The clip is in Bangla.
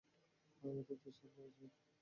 আমার দোষ থাকলে লজ্জা পেতাম।